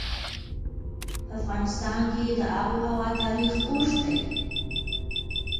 په افغانستان کې د آب وهوا تاریخ اوږد دی.